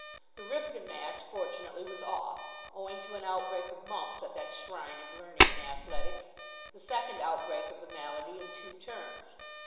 The Ripton match, fortunately, was off, owing to an outbreak of mumps at that shrine of learning and athletics the second outbreak of the malady in two terms.